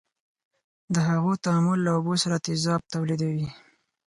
د هغو تعامل له اوبو سره تیزاب تولیدوي.